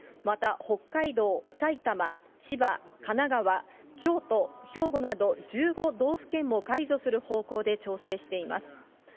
また北海道、埼玉、千葉、神奈川、京都、兵庫など、１５道府県も解除する方向で調整しています。